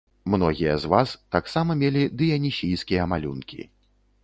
Многія з ваз таксама мелі дыянісійскія малюнкі.